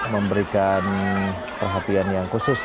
memberikan perhatian yang khusus